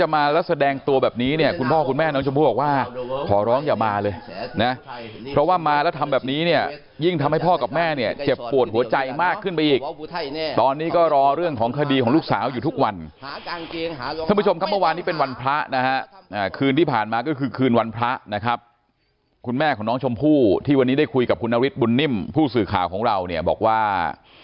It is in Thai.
มาแล้วทำแบบนี้เนี่ยยิ่งทำให้พ่อกับแม่เนี่ยเจ็บปวดหัวใจมากขึ้นไปอีกตอนนี้ก็รอเรื่องของคดีของลูกสาวอยู่ทุกวันท่านผู้ชมทำเมื่อวานนี้เป็นวันพระนะฮะอ่าคืนที่ผ่านมาก็คือคืนวันพระนะครับคุณแม่ของน้องชมพูที่วันนี้ได้คุยกับคุณนฤทธิ์บุญนิ่มผู้สื่อข่าวของเราเนี่ยบอกว่า